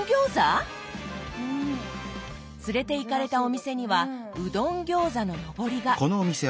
連れていかれたお店には「うどんギョーザ」ののぼりが。